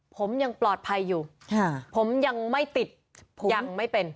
ผมยังปลอดภัยอยู่ผมยังไม่ติดผมยังไม่เป็น